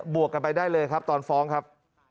วกกันไปได้เลยครับตอนฟ้องครับ